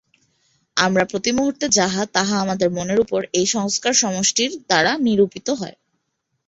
আমরা প্রতি মুহূর্তে যাহা, তাহা আমাদের মনের উপর এই সংস্কার-সমষ্টির দ্বারা নিরূপিত হয়।